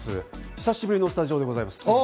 久しぶりのスタジオでございます。